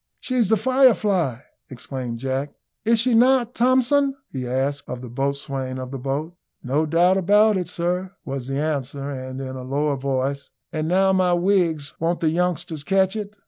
"She's the Firefly," exclaimed Jack; "is she not, Thomson?" he asked of the boatswain of the boat. "No doubt about it, sir," was the answer; and in a lower voice, "And now, my wigs, won't the youngsters catch it!"